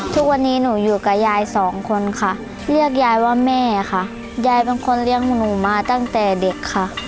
ทุกวันนี้หนูอยู่กับยายสองคนค่ะเรียกยายว่าแม่ค่ะยายเป็นคนเลี้ยงหนูมาตั้งแต่เด็กค่ะ